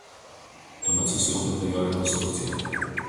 Tuomet susirūpinta jo rekonstrukcija.